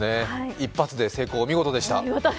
一発で成功、お見事でした。